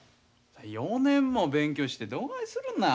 ４年も勉強してどがいするんな。